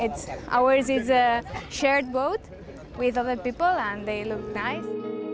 dan mereka terlihat bagus